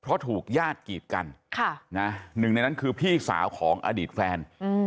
เพราะถูกญาติกีดกันหนึ่งในนั้นคือพี่สาวของอดีตแฟน